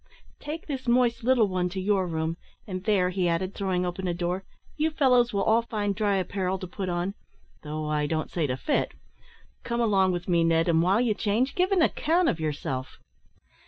Take this moist little one to your room; and there," he added, throwing open a door, "you fellows will all find dry apparel to put on though I don't say to fit. Come along with me, Ned, and while you change, give an account of yourself."